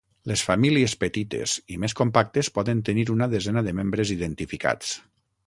Les famílies petites i més compactes poden tenir una desena de membres identificats.